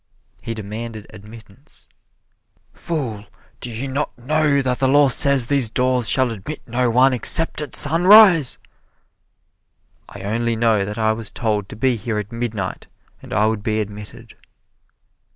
He demanded admittance. "Fool, do you not know that the law says these doors shall admit no one except at sunrise?" "I only know that I was told to be here at midnight and I would be admitted."